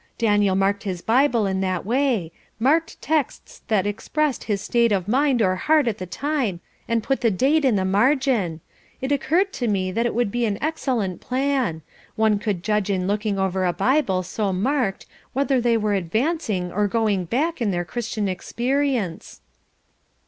Daniel marked his Bible in that way marked texts that expressed his state of mind or heart at the time and put the date in the margin. It occurred to me that it would be an excellent plan. One could judge in looking over a Bible so marked whether they were advancing or going back in their Christian experience."